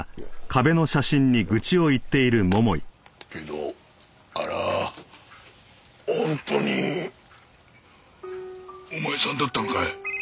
けどあれは本当にお前さんだったのかい？